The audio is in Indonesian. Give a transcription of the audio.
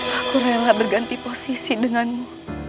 aku rela berganti posisi denganmu